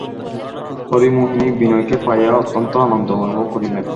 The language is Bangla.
হরিমোহিনী বিনয়কে পাইয়া অত্যন্ত আনন্দ অনুভব করিলেন।